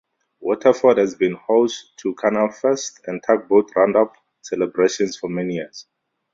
Waterford has been host to "Canal Fest" and "Tugboat Roundup" celebrations for many years.